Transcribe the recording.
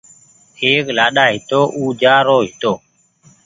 ايڪ لآڏآ هيتو او جآرو هيتو